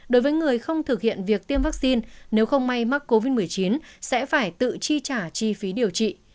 đối với người không thực hiện việc tiêm vaccine nếu không may mắc covid một mươi chín sẽ phải tự chi trả chi phí điều trị